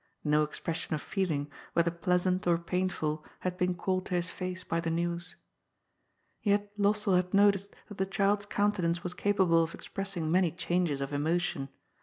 No expression of feeling, whether pleasant or painful, had been called to his face by the news. Yet Lossell had noticed that the child's countenance was capable of expressing many changes of emotion.